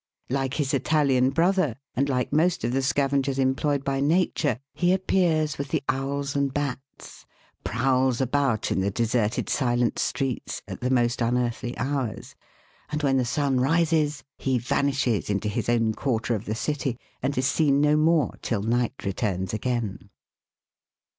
Like his Italian brother, and like most of the scavengers employed by Nature, he appears with the owls and bats, prowls about in the deserted, silent streets at the most unearthly hours, and when the sun rises he vanishes into his own quarter of the city, and is seen no more till night returns again.